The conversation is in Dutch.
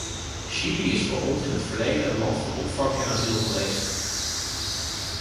Chili is voor ons in het verleden een land van opvang en asiel geweest.